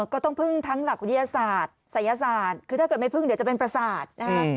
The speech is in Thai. ก็ต้องพึ่งทั้งหลักวิทยาศาสตร์ศัยศาสตร์คือถ้าเกิดไม่พึ่งเดี๋ยวจะเป็นประสาทนะฮะ